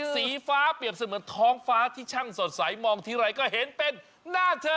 สีฟ้าเปรียบเสมือนท้องฟ้าที่ช่างสดใสมองทีไรก็เห็นเป็นหน้าเธอ